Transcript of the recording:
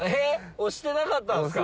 押してなかったんすか？